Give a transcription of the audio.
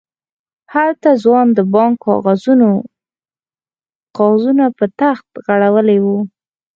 هلته ځوان د بانک کاغذونه په تخت غړولي وو.